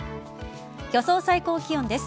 予想最高気温です。